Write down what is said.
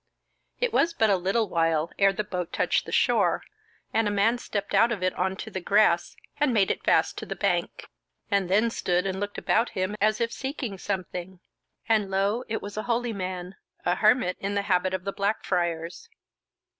It was but a little while ere the boat touched the shore, and a man stepped out of it on to the grass and made it fast to the bank, and then stood and looked about him as if seeking something; and lo, it was a holy man, a hermit in the habit of the Blackfriars.